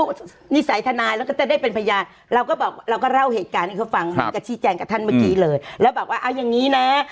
เนื้อหนิสัยธนายและก็ก็ได้เป็นพยายามเราก็บอกเราก็เล่าเหตุการณ์ที่เค้าฟังแล้วที่แจกเป็นท่านเมื่อกี้เลยแล้วบอกว่าอย่างนี้นะ